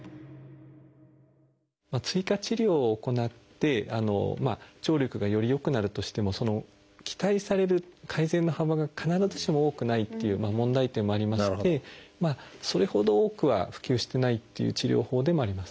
追加治療を行って聴力がより良くなるとしても期待される改善の幅が必ずしも多くないっていう問題点もありましてそれほど多くは普及してないっていう治療法でもあります。